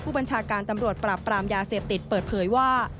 บัญชาการตำรวจปราบปรามยาเสพติดเปิดเผยว่า